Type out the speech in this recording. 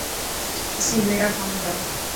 اسين ڀيڙا کائون تا.